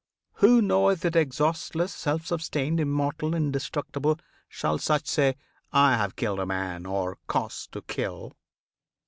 Who knoweth it exhaustless, self sustained, Immortal, indestructible, shall such Say, "I have killed a man, or caused to kill?"